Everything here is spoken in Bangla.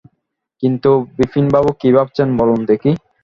কিন্তু, বিপিনবাবু, কী ভাবছেন বলুন দেখি?